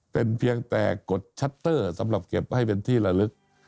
เป็นเพียงแต่กดชัตเตอร์สำหรับเก็บให้เป็นที่ละลึก